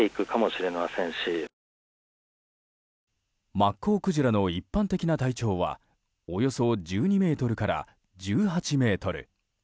マッコウクジラの一般的な体長はおよそ１２ｍから１８ｍ。